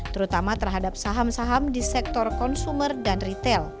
terutama terhadap saham saham di sektor konsumer dan retail